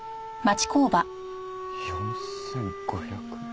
４５００？